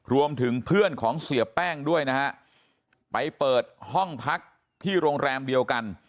รวมถึงเพื่อนของเสียแป้งด้วยนะฮะไปเปิดห้องพักที่โรงแรมเดียวกัน